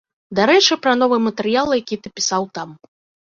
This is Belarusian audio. Дарэчы, пра новы матэрыял, які ты пісаў там.